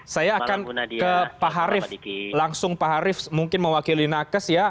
saya akan ke pak harif langsung pak harif mungkin mewakili nakes ya